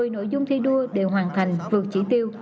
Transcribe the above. một mươi nội dung thi đua đều hoàn thành vượt chỉ tiêu